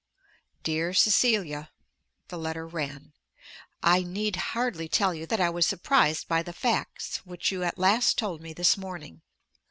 DEAR CECILIA, [the letter ran] I need hardly tell you that I was surprised by the facts which you at last told me this morning.